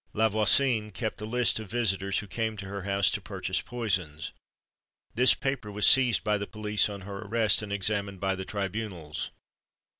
Lavoisin kept a list of the visitors who came to her house to purchase poisons. This paper was seized by the police on her arrest, and examined by the tribunals.